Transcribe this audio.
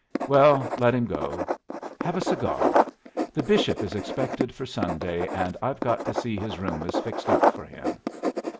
"Well, let him go. Have a cigar. The bishop is expected for Sunday, and I've got to see his room is fixed up for him."